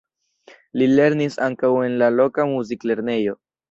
Li lernis ankaŭ en la loka muziklernejo.